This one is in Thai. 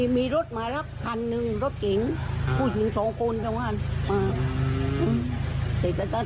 มีระฆัญหนึ่งรถเก๋งผู้หญิง๒คนจังหวัง